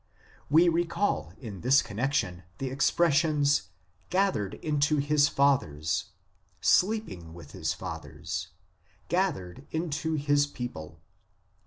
We recall in this connexion the expressions " gathered into his fathers," "sleeping with his fathers," " gathered into his people."